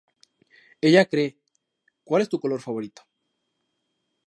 Ella cree que "¿Cual es tu color favorito?